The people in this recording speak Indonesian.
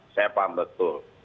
saya paham betul